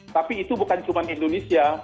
tapi itu bukan cuma indonesia